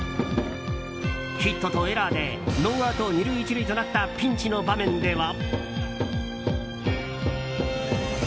ヒットとエラーでノーアウト２塁１塁となったピンチの場面では。